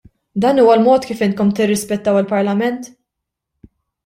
Dan huwa l-mod kif intom tirrispettaw il-Parlament?!